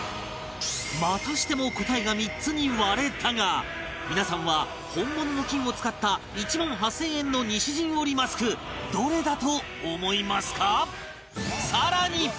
またしても答えが３つに割れたが皆さんは本物の金を使った１万８０００円の西陣織マスクどれだと思いますか？